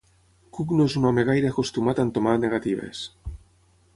Cook no és un home gaire acostumat a entomar negatives.